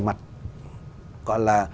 mặt gọi là